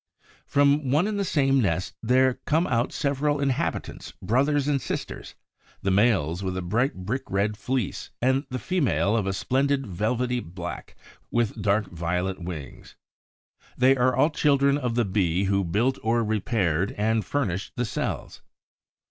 From one and the same nest there come out several inhabitants, brothers and sisters, the males with a bright brick red fleece, and the female of a splendid velvety black, with dark violet wings. They are all the children of the Bee who built or repaired and furnished the cells.